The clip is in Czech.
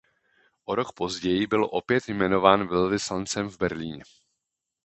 O rok později byl opět jmenován velvyslancem v Berlíně.